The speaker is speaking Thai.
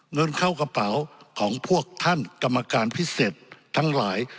เงินเข้ากระเป๋าของพวกท่านกรรมการพิเศษทั้งหลาย